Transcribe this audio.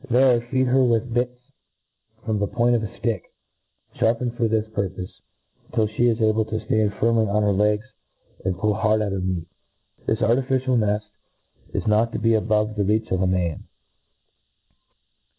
There feed her with bits from the point of a flick, Sharpened for this purpofe, till flie is able to ftand firmly on her legs, and pull hard at her meat. This artificial neil is not to be above the reach of a man.